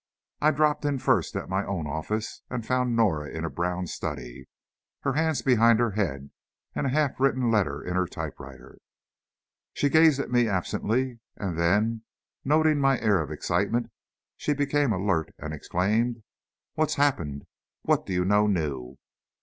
I dropped in first at my own office, and found Norah in a brown study, her hands behind her head and a half written letter in her typewriter. She gazed at me absently, and then, noting my air of excitement, she became alert and exclaimed, "What's happened? What do you know new?"